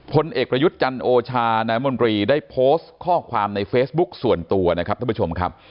พลเอกประยุทธ์จันโอชานายมนตรีได้โพสต์ข้อความในเฟซบุ๊คส่วนตัวนะครับท่านผู้ชมครับ